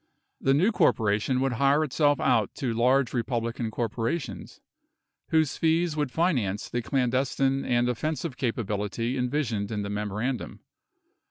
The new corporation would hire itself out to large Republican corporations, whose fees would finance the clandestine and offensive capability envisoned in the memorandum.